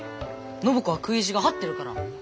暢子は食い意地が張ってるから。